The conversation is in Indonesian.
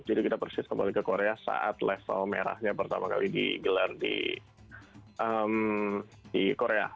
jadi kita persis kembali ke korea saat level merahnya pertama kali digelar di korea